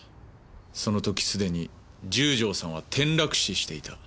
その時既に十条さんは転落死していた。